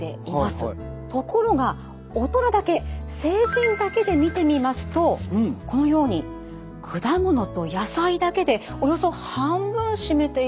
ところが大人だけ成人だけで見てみますとこのように果物と野菜だけでおよそ半分占めているんです。